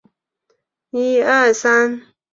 次年分配到青岛任助理司铎。